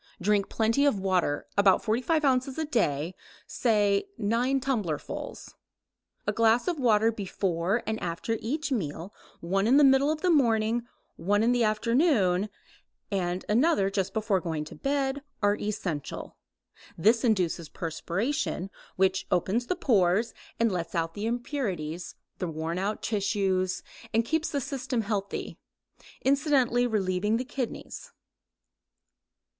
Drink plenty of water, about 45 ounces a day, say nine tumblerfuls. A glass of water before and after each meal, one in the middle of the morning, one in the afternoon, and another just before going to bed, are essential. This induces perspiration, which opens the pores and lets out the impurities, the worn out tissues, and keeps the system healthy, incidentally relieving the kidneys.